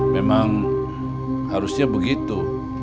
memang harusnya begitu